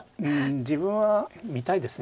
自分は見たいですね。